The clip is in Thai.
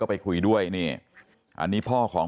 กระดิ่งเสียงเรียกว่าเด็กน้อยจุดประดิ่ง